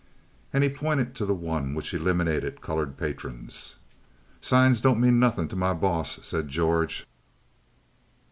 And he pointed to the one which eliminated colored patrons. "Signs don't mean nothin' to my boss," said George.